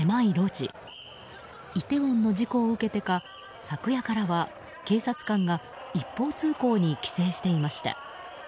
イテウォンの事故を受けてか昨夜からは警察官が一方通行に規制していました。